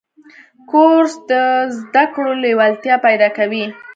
کورس د زده کړو لیوالتیا پیدا کوي.